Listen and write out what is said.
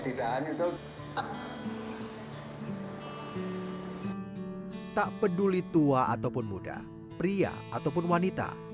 tak peduli tua ataupun muda pria ataupun wanita